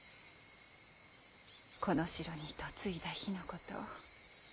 この城に嫁いだ日のこと。